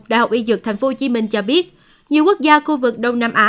đại học y dược tp hcm cho biết nhiều quốc gia khu vực đông nam á